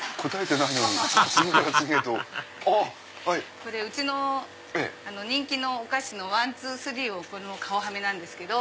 これうちの人気のお菓子のワンツースリーの顔はめです。